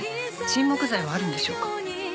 沈黙罪はあるんでしょうか？」